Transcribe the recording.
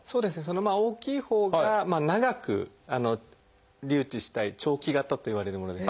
大きいほうが長く留置したい長期型といわれるものです。